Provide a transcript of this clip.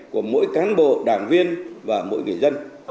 của mỗi cán bộ đảng viên và mỗi người dân